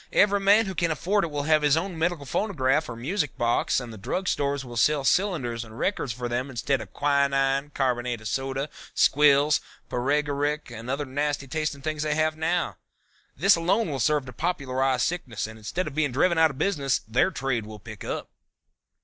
Every man who can afford it will have his own medical phonograph or music box, and the drug stores will sell cylinders and records for them instead of quinine, carbonate of soda, squills, paregoric and other nasty tasting things they have now. This alone will serve to popularize sickness and instead of being driven out of business their trade will pick up."